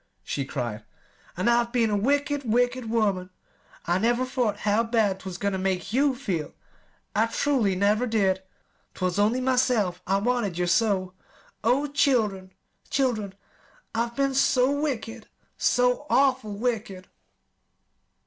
she cried. "An' I've been a wicked, wicked woman! I never thought how bad 'twas goin' ter make you feel. I truly never, never did. 'Twas only myself I wanted yer so. Oh, children, children, I've been so wicked so awful wicked!"